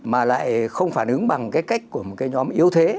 mà lại không phản ứng bằng cái cách của một cái nhóm yếu thế